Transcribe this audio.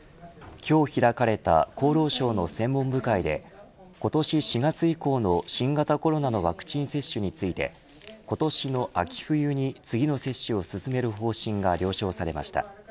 今日開かれた厚労省の専門部会で今年４月以降の新型コロナのワクチン接種について今年の秋冬に次の接種を進める方針が了承されました。